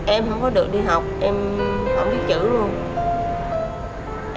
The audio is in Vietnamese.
em không có được đi học em không biết chữ luôn